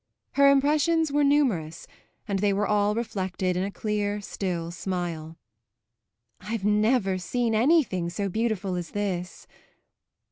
Her impressions were numerous, and they were all reflected in a clear, still smile. "I've never seen anything so beautiful as this."